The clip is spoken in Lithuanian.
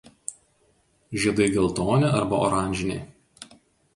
Žiedai geltoni arba oranžiniai.